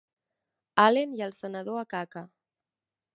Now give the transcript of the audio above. Allen i el senador Akaka.